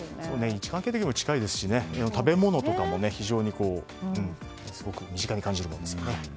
位置関係的にも近いですし食べ物とかもすごく身近に感じるものですね。